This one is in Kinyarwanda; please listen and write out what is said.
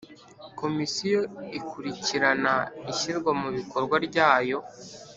Komisiyo ikurikirana ishyirwa mu bikorwa ryayo